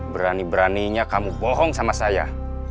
berani beraninya kamu bohong sama saya